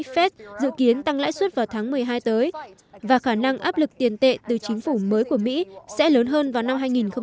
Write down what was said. fed dự kiến tăng lãi suất vào tháng một mươi hai tới và khả năng áp lực tiền tệ từ chính phủ mới của mỹ sẽ lớn hơn vào năm hai nghìn hai mươi